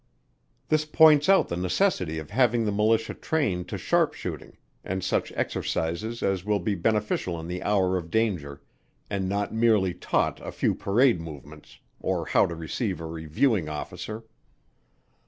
This points out the necessity of having the Militia trained to sharpshooting and such exercises as will be beneficial in the hour of danger; and not merely taught a few parade movements, or how to receive a reviewing officer.